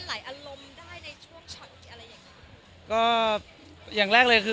ทำไมเล่นหลายอารมณ์ได้ในช่วงช็อต